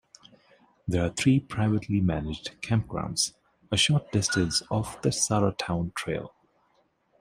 There are three privately managed campgrounds a short distance off the Sauratown Trail.